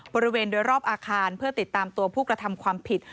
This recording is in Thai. บริเวณโดยรอบอาคารเพื่อติดตามตัวผู้กระทำความผิด